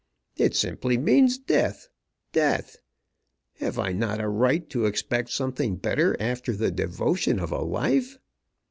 It simply means death, death! Have I not a right to expect something better after the devotion of a life?